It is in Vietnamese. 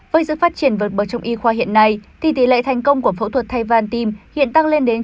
với sự phát triển vượt bờ trong y khoa hiện nay thì tỷ lệ thành công của phẫu thuật thay van tim hiện tăng lên đến chín mươi hai chín mươi năm